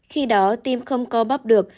khi đó tim không co bóp được